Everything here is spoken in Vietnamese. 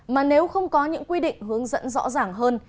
mà nếu không có những quy định hướng dẫn rõ ràng hơn